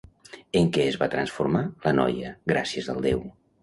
En què es va transformar la noia, gràcies al déu?